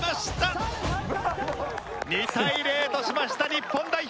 ２対０としました日本代表。